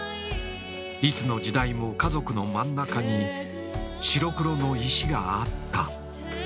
いつの時代も家族の真ん中に白黒の石があった。